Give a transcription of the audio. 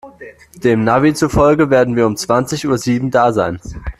Dem Navi zufolge werden wir um zwanzig Uhr sieben da sein.